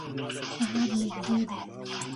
سهار نږدې دی.